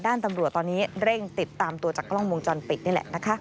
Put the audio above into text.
ตำรวจตอนนี้เร่งติดตามตัวจากกล้องวงจรปิดนี่แหละนะคะ